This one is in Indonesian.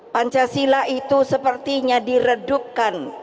pancasila itu sepertinya diredukkan